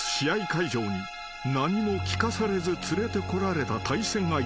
会場に何も聞かされず連れてこられた対戦相手は］